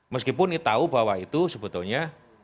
meskipun tahu bahwa itu sebetulnya